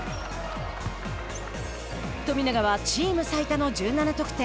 富永はチーム最多の１７得点。